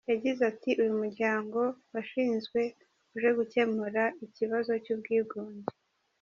Yagize ati “Uyu muryango washinzwe uje gukemura ikibazo cy’ubwigunge.